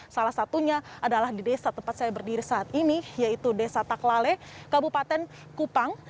salah satunya adalah di desa tempat saya berdiri saat ini yaitu desa taklale kabupaten kupang